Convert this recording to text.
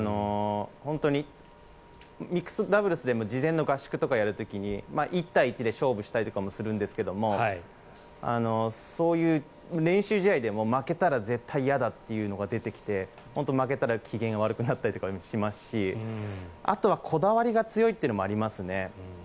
本当にミックスダブルスでも事前の合宿とかやる時に１対１で勝負したりとかもするんですけどそういう練習試合でも負けたら絶対嫌だというのが出てきて本当に負けたら機嫌悪くなったりとかもしますしあとはこだわりが強いってのもありますね。